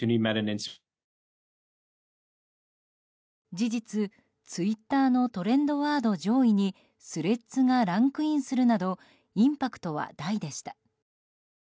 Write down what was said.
事実、ツイッターのトレンドワード上位にスレッズがランクインするなどインパクトは大でした。